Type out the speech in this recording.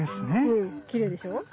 うんきれいでしょ？